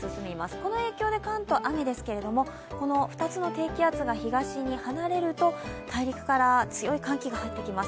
この影響で関東、雨ですけれどもこの２つの低気圧が東に離れると大陸から強い寒気が入ってきます。